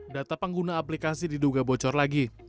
data pengguna aplikasi diduga bocor lagi